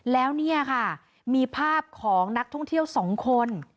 แล้วเนี่ยค่ะมีภาพของนักท่องเที่ยว๒คน